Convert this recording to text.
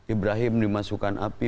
ibrahim dimasukkan api